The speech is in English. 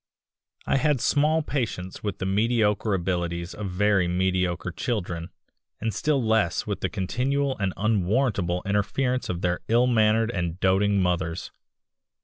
I had small patience with the mediocre abilities of very mediocre children, and still less with the continual and unwarrantable interference of their ill mannered and doting mothers.